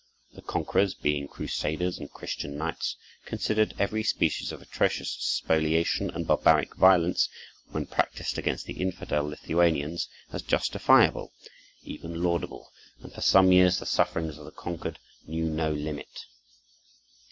The conquerors, being Crusaders and Christian knights, considered every species of atrocious spoliation and barbaric violence, when practised against the infidel Lithuanians, as justifiable, even laudable, and for some years the sufferings of the conquered knew no limit.